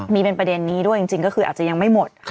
มีเป็นประเด็นนี้ด้วยจริงก็คืออาจจะยังไม่หมด